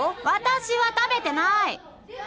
私は食べてない。